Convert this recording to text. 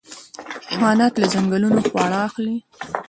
حیوانات له ځنګله خواړه اخلي.